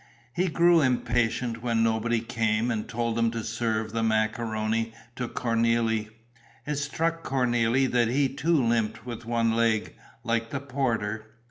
He grew impatient when nobody came and told them to serve the macaroni to Cornélie. It struck Cornélie that he too limped with one leg, like the porter.